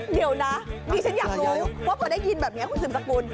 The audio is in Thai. เดี๋ยวนะดิฉันอยากรู้ว่าพอได้ยินแบบนี้คุณสืบสกุล